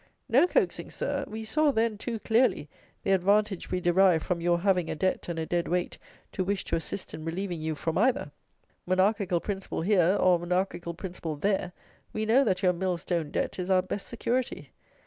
No coaxing, Sir: we saw, then, too clearly the advantage we derived from your having a debt and a dead weight to wish to assist in relieving you from either. 'Monarchical principle' here, or 'monarchical principle' there, we know that your mill stone debt is our best security.